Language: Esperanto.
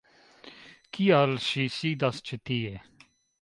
Kial ŝi sidas ĉi tie?